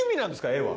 絵は。